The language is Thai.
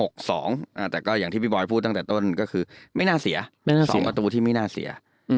แต่ก็อย่างที่พี่บอยพูดตั้งแต่ต้นก็คือไม่น่าเสีย๒ประตูที่ไม่น่าเสีย